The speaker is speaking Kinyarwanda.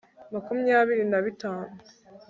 makumyabiri na bitanu